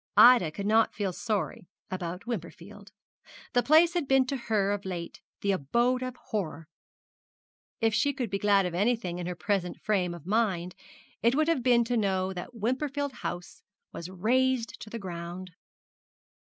Ida could not feel sorry about Wimperfield. The place had been to her of late the abode of horror. If she could be glad of anything in her present frame of mind, it would have been to know that Wimperfield House was razed to the ground.